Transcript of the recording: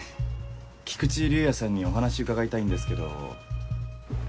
菊池竜哉さんにお話伺いたいんですけど。